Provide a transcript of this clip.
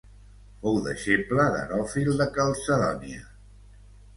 Fou deixeble d'Heròfil de Calcedònia.